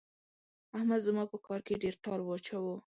احمد زما په کار کې ډېر ټال واچاوو.